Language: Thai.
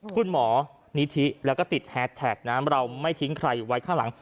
คุณหมอนิธิแล้วก็ติดแฮสแท็กนะเราไม่ทิ้งใครไว้ข้างหลัง